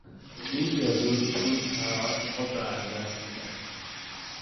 دیر یا زود پوست طراوت خود را از دست میدهد.